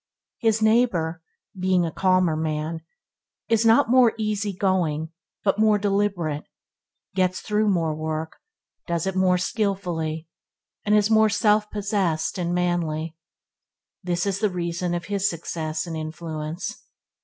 His neighbour, being a calmer man, not more easy going but more deliberate, gets through more work, does it more skillfully, and is more self possessed and manly. This is the reason of his success and influence.